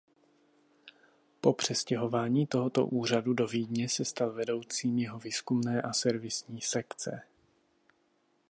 Po přestěhování tohoto úřadu do Vídně se stal vedoucím jeho výzkumné a servisní sekce.